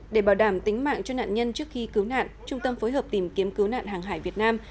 để bảo đảm tính mạng cho nạn nhân trước khi cứu nạn trung tâm phối hợp tìm kiếm cứu nạn hàng hải việt nam